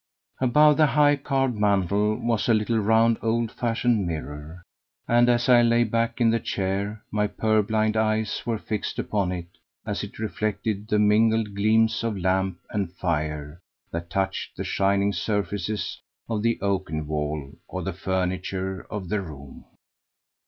Above the high carved mantel was a little round old fashioned mirror, and as I lay back in the chair my purblind eyes were fixed upon it as it reflected the mingled gleams of lamp and fire that touched the shining surfaces of the oaken wall or the furniture of the room.